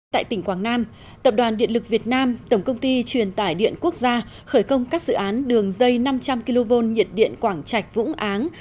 tại tỉnh quảng nam tập đoàn điện lực việt nam tổng công ty truyền tải điện quốc gia khởi công các dự án đường dây năm trăm linh kv nhiệt điện quảng trạch vũng áng